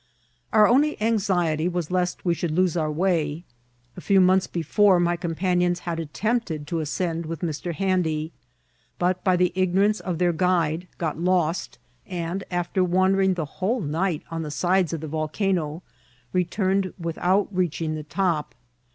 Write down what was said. Our only anxiety was lest we should lose our way. A few months before my companions had attempted to ascend with BSr* Handy, but, by the ignorance of their guide, got lost ; and after wandering the whole night on the sides of the Tokano, returned without reaching the top.